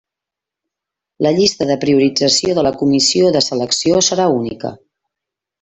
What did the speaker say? La llista de priorització de la comissió de selecció serà única.